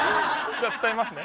じゃあ伝えますね。